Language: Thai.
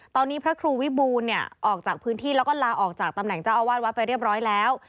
ตอนนี้พระครูวิบูลเนี่ยออกจากพื้นที่แล้วก็ลาออกจากตำแหน่งเจ้าอาวาสวัดไปเรียบร้อยแล้ว